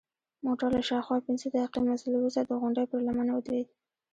موټر له شاوخوا پنځه دقیقې مزل وروسته د غونډۍ پر لمنه ودرید.